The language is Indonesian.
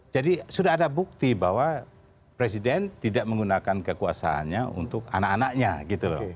jadi sudah ada bukti bahwa presiden tidak menggunakan kekuasaannya untuk anak anaknya gitu loh